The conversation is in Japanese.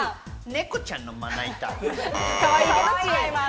猫ちゃんのまな板。